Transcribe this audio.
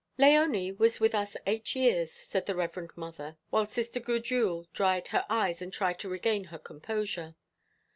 "Léonie was with us eight years," said the Reverend Mother, while Sister Gudule dried her eyes and tried to regain her composure.